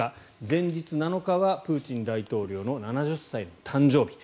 前日７日は、プーチン大統領の７０歳の誕生日。